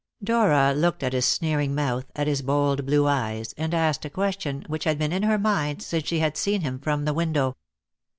Dora looked at his sneering mouth, at his bold blue eyes, and asked a question which had been in her mind since she had seen him from the window.